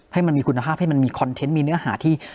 ให้มันมีคุณภาพให้มันมีคอนเทนต์มีเนื้อหาที่